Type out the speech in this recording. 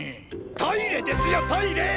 トイレですよトイレ！